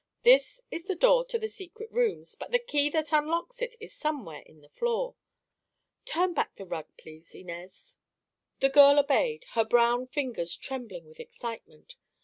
"This is the door to the secret rooms, but the key that unlocks it is somewhere in the floor. Turn back the rug, please, Inez." The girl obeyed, her brown fingers trembling with excitement.